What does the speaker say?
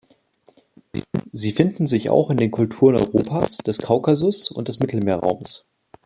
Sie finden sich auch in den Kulturen Europas, des Kaukasus und des Mittelmeerraums.